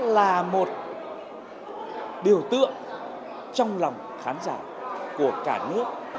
là một biểu tượng trong lòng khán giả của cả nước